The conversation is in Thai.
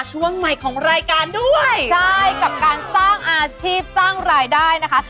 ช่วงใหม่ของรายการด้วยใช่กับการสร้างอาชีพสร้างรายได้นะคะ